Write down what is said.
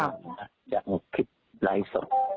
อยากจะบอกคิดไร้สงสม